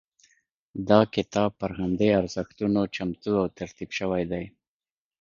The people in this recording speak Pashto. دا کتاب پر همدې ارزښتونو چمتو او ترتیب شوی دی.